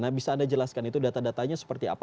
nah bisa anda jelaskan itu data datanya seperti apa